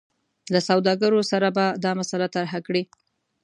له سوداګرو سره به دا مسله طرحه کړي.